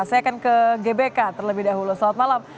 saya akan ke gbk terlebih dahulu selamat malam